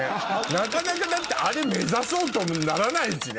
なかなかだってあれ目指そうとならないしね。